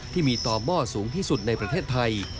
ที่มีต่อหม้อสูงที่สุดในประเทศไทย